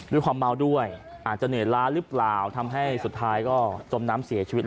ด้วยความเมาด้วยอาจจะเหนื่อยล้าหรือเปล่าทำให้สุดท้ายก็จมน้ำเสียชีวิต